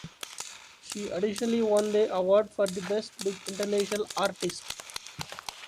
She additionally won the award for the Best Big International Artist.